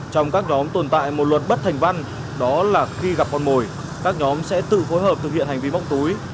trong các nhóm tồn tại một luật bất thành văn đó là khi gặp con mồi các nhóm sẽ tự phối hợp thực hiện hành vi móc túi